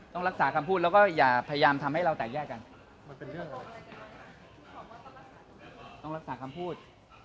ต้องรักษาคำพูด